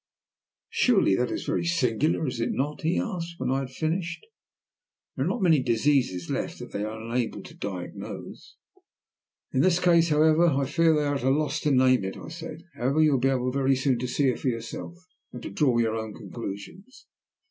"Surely that is very singular, is it not?" he asked, when I had finished. "There are not many diseases left that they are unable to diagnose." "In this case, however, I fear they are at a loss to assign a name to it," I said. "However, you will be able very soon to see her for yourself, and to draw your own conclusions."